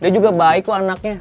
dia juga baik kok anaknya